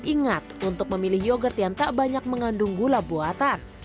ingat untuk memilih yogurt yang tak banyak mengandung gula buatan